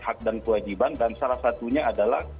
hak dan kewajiban dan salah satunya adalah